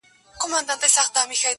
یو يې زوی وو په کهاله کي نازولی!!